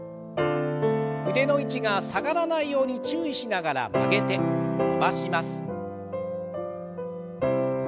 腕の位置が下がらないように注意しながら曲げて伸ばします。